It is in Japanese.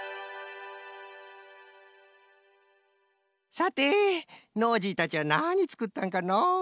さてノージーたちはなにつくったんかのう。